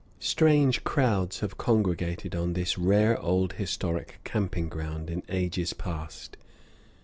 Strange crowds have congregated on this rare old historic camping ground in ages past.